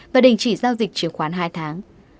và đình chỉ giao dịch chứng khoán hai tháng